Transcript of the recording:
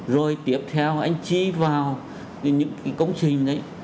rồi tiếp theo anh chi vào những cái công trình đấy